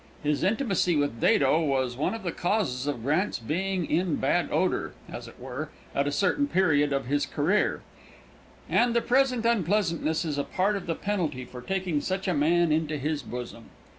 His intimacy with Dado was one of the causes of Grant's being in bad odor, as it were, at a certain period of his career; and the present unpleasantness is a part of the penalty for taking such a man into his bosom.